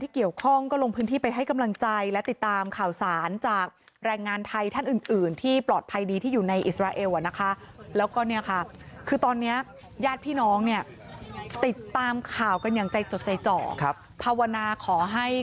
ก็ขอให้ทุกคนปลอดภัยแล้วก็โดนปล่อยตัวค่ะ